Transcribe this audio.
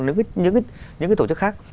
những cái tổ chức khác